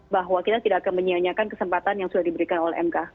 bahwa kita tidak akan menyianyikan kesempatan yang sudah diberikan oleh mk